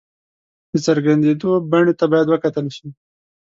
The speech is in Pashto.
د څرګندېدو بڼې ته باید وکتل شي.